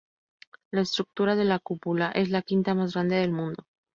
La estructura de la cúpula es la quinta más grande del mundo.